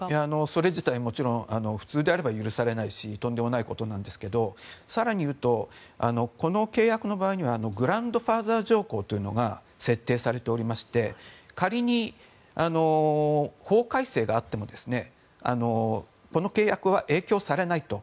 それ自体、もちろん普通であれば許されないしとんでもないことなんですが更に言うとこの契約の場合にはグランドファーザー条項というのが設定されておりまして仮に法改正があってもこの契約は影響されないと。